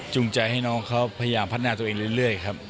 จูงใจให้น้องเค้าพยายามพัฒนาตัวเองรึเปลื้อย